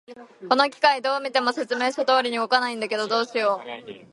この機械、どう見ても説明書通りに動かないんだけど、どうしよう。